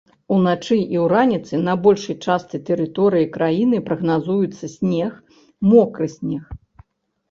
Уначы і раніцай на большай частцы тэрыторыі краіны прагназуецца снег, мокры снег.